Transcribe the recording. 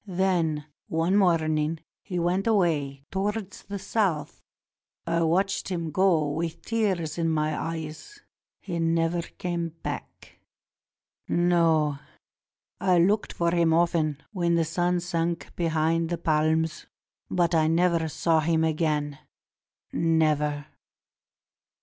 Then one morning he went away towards the South. I watched him go with tears in my eyes. He never came back. No; I looked for him often when the sun sank behind the palms, but I never saw him again — never."